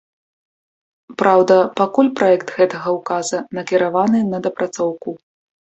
Праўда, пакуль праект гэтага ўказа накіраваны на дапрацоўку.